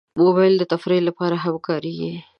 موبایل د تفریح لپاره هم کارېږي.